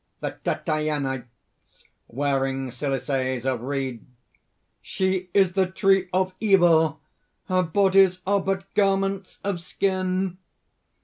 '" THE TATIANITES (wearing cilices of reed): "She is the tree of evil. Our bodies are but garments of skin."